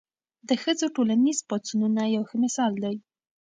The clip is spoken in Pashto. د ښځو ټولنیز پاڅونونه یو ښه مثال دی.